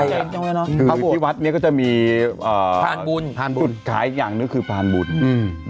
พระบวชที่วัดเนี้ยก็จะมีอ่าพานบุญพานบุญจุดขายอีกอย่างหนึ่งคือพานบุญอืม